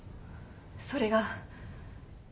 それが。